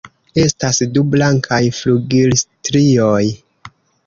Estas du blankaj flugilstrioj.